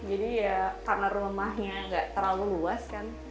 jadi ya karena rumahnya nggak terlalu luas kan